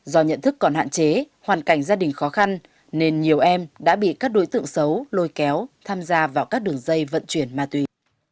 do nhận thức còn hạn chế hoàn cảnh gia đình khó khăn nên nhiều em đã bị các đối tượng xấu lôi kéo tham gia vào các đường dây vận chuyển ma túy